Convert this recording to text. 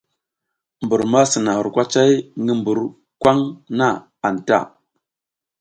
Mbur ma sina hur kwacay ngi mbur kwaŋ na anta.